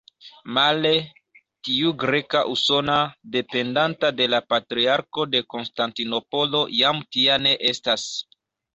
Male, tiu greka usona, dependanta de la Patriarko de Konstantinopolo jam tia ne estas.